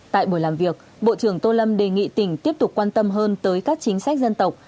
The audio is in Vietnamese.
tại buổi làm việc bộ trưởng tô lâm đề nghị tỉnh tiếp tục quan tâm hơn tới các chính sách dân tộc